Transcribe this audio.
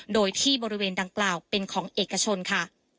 โดยที่บริเวณดังกล่าวเป็นของเอกชนค่ะ